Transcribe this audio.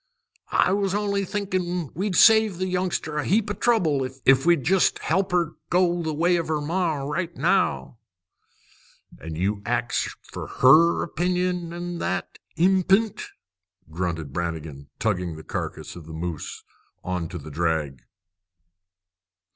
"I was only thinkin' we'd save the youngster a heap of trouble if we'd jest help her go the way of her ma right now." "You ax her fer her opinion on that p'int!" grunted Brannigan, tugging the carcass of the moose on to the drag.